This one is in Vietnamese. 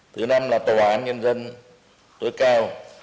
thứ năm là tòa án nhân dân tối cao